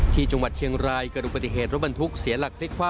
ที่จังหวัดเชียงรายเกิดลูกปฏิเหตุรถบรรทุกเสียหลัก